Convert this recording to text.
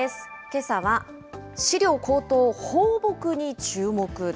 けさは、飼料高騰、放牧に注目！